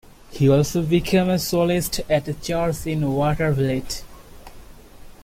He also became a soloist at a church in Watervliet.